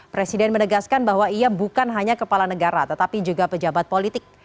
presiden menegaskan bahwa ia bukan hanya kepala negara tetapi juga pejabat politik